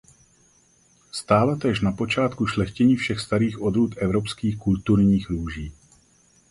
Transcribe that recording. Stála též na počátku šlechtění všech starých odrůd evropských kulturních růží.